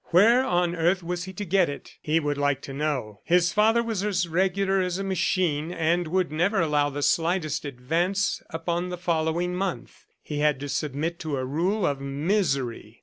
Where on earth was he to get it, he would like to know. His father was as regular as a machine, and would never allow the slightest advance upon the following month. He had to submit to a rule of misery.